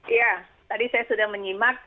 iya tadi saya sudah menyimak